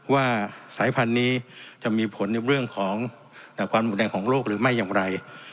ว่าสายพันธุ์นี้จะมีผลในเรื่องของความรุนแรงของโลกหรือไม่อย่างไร